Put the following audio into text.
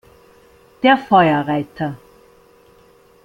Der Feuerreiter.